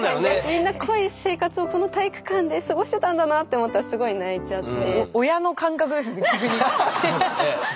みんな濃い生活をこの体育館で過ごしてたんだなって思ったらすごい泣いちゃって。